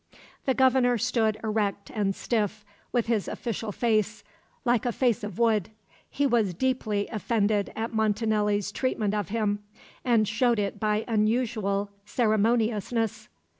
The Governor stood erect and stiff, with his official face, like a face of wood. He was deeply offended at Montanelli's treatment of him, and showed it by unusual ceremoniousness.